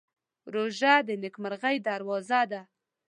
روژه د نېکمرغۍ دروازه ده.